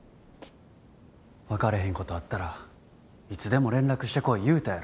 分かれへんことあったらいつでも連絡してこい言うたやろ。